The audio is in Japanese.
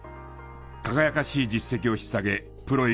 輝かしい実績を引っ提げプロ入り。